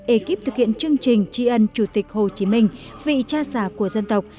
ekip thực hiện chương trình tri ân chủ tịch hồ chí minh vị cha xà của dân tộc